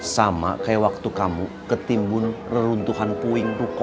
sama kayak waktu kamu ketimbun reruntuhan puing ruko